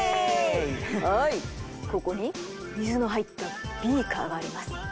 はいここに水の入ったビーカーがあります。